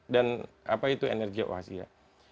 dan apa itu energi oasia